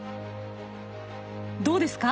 どうですか？